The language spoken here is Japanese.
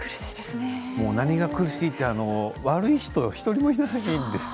もう、何が苦しいって悪い人、１人もいないんですよ。